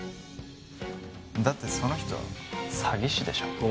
だってその人詐欺師でしょ？